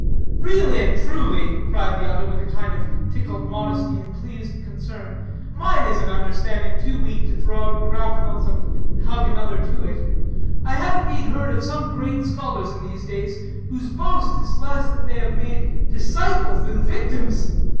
"Really and truly," cried the other with a kind of tickled modesty and pleased concern, "mine is an understanding too weak to throw out grapnels and hug another to it. I have indeed heard of some great scholars in these days, whose boast is less that they have made disciples than victims.